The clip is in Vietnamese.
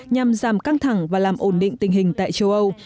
nhằm giảm căng thẳng và làm ổn định tình hình tại châu âu